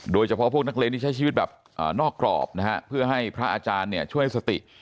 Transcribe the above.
โดยเฉพาะพวกนักเรียนที่ใช้ชีวิตแบบนอกกรอบนะฮะเพื่อให้พระอาจารย์เนี่ยช่วยสติ